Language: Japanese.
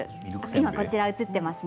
こちらに映っていますね